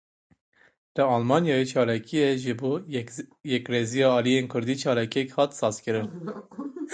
Li Almanyayê çalakiya ji bo yekrêziya aliyên kurdî çalakiyek hat sazkirin.